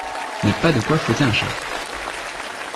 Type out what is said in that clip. mais pas de quoi fouetter un chat.